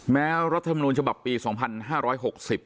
รัฐมนูญฉบับปีสองพันห้าร้อยหกสิบ